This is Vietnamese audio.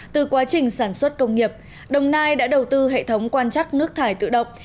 từ quá trình sản xuất công nghiệp đồng nai đã đầu tư hệ thống quan trắc nước thải tự động